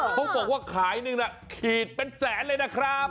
เขาบอกว่าขายหนึ่งขีดเป็นแสนเลยนะครับ